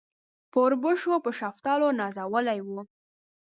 په اوربشو په شفتلو نازولي وو.